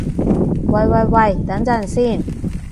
喂喂喂，等陣先